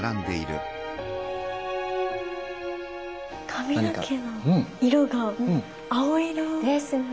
髪の毛の色がですね。